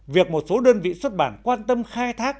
việc một số đơn vị xuất bản quan tâm khai thác